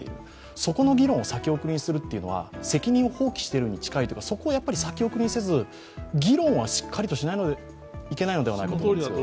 そこの議論を先送りにするっていうのは責任を放棄しているに近いというか、そこは先送りにせず議論はしっかりしないといけないと思いますけど。